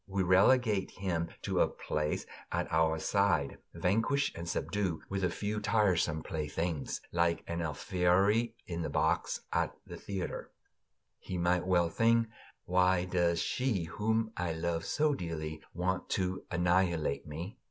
We relegate him to a place at our side, vanquished and subdued, with a few tiresome playthings, like an Alfieri in the box at the theater. He might well think: Why does she, whom I love so dearly, want to annihilate me?